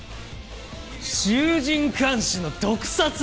衆人環視の毒殺！